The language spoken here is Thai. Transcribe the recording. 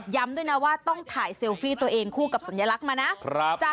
ด้วยนะว่าต้องถ่ายเซลฟี่ตัวเองคู่กับสัญลักษณ์มานะ